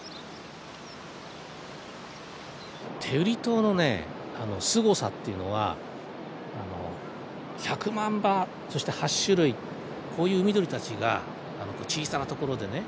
天売島のねすごさっていうのは１００万羽そして８種類こういう海鳥たちが小さなところでね